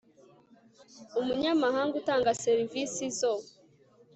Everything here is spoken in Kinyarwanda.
umunyamahanga utanga serivisi zo